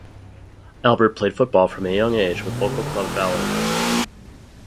Albert played football from a young age with local club Valur.